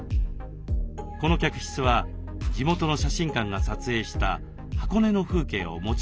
この客室は地元の写真館が撮影した箱根の風景をモチーフにした内装。